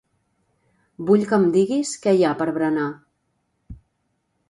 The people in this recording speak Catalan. Vull que em diguis què hi ha per berenar.